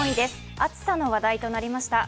暑さの話題となりました。